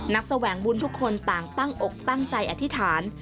แสวงบุญทุกคนต่างตั้งอกตั้งใจอธิษฐาน